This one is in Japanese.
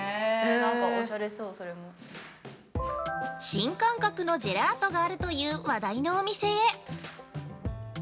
◆新感覚のジェラートがあるという話題のお店へ！